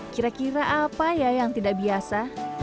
kira kira apa ya yang tidak biasa